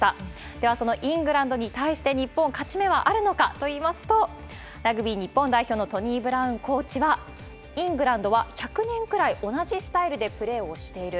では、そのイングランドに対して日本、勝ち目はあるのかといいますと、ラグビー日本代表のトニー・ブラウンコーチは、イングランドは１００年くらい同じスタイルでプレーをしている。